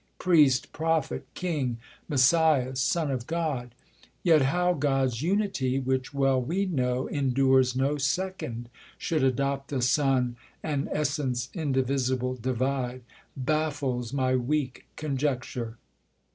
Priest, Prophet, King, Messius, Son of God? Yet how God's unity, which well we know Endures no second, should adopt a Son, And essence indivisible divide. Baffles my weak conjecture.